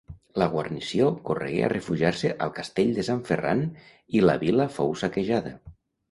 La guarnició corregué a refugiar-se al Castell de Sant Ferran i la vila fou saquejada.